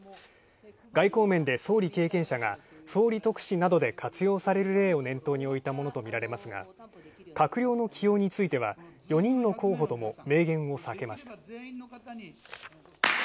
外交面で総理経験者が総理特使などで活用される例を念頭に置いたものとみられますが閣僚の起用については４人の候補とも明言を避けました。